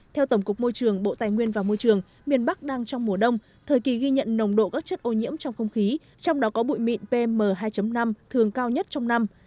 theo tổng cục môi trường bộ tài nguyên và môi trường miền bắc đang trong mùa đông thời kỳ ghi nhận nồng độ các chất ô nhiễm trong không khí trong đó có bụi mịn pm hai năm thường cao nhất trong năm